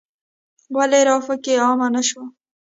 ولې راپکې عامه نه شوه.